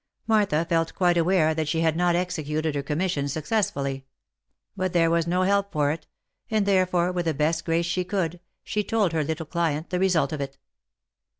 Martha felt quite aware that she had not executed her commission successfully. But there was no help for it, and therefore with the best grace she could, she told her little client the result of it.